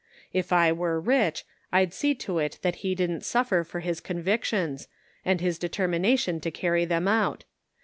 If I were rich I'd see to it that he didn't suffer for his convictions, and his determination to carry them out.